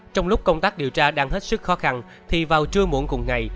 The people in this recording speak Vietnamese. trong lúc công tác điều tra đang hết sức khó khăn thì vào trưa muộn cùng ngày